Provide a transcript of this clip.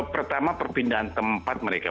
pertama perpindahan tempat mereka